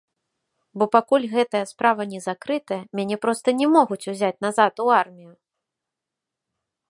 Бо пакуль гэтая справа не закрытая, мяне проста не могуць узяць назад у армію!